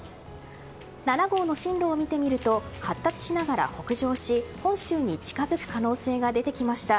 ７号の進路を見てみると発達しながら北上し本州に近づく可能性が出てきました。